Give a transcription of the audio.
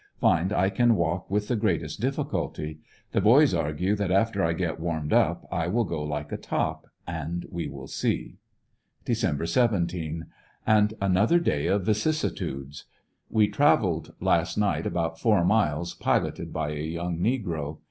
Find I can walk with the greatest difficulty. The boys argue that after I get warmed up I will go like a top, and we will see Dec. 17 — And another day of vicissitudes. We traveled last night about four miles, piloted by a young negro.